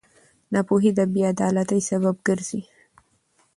ناپوهي د بېعدالتۍ سبب ګرځي.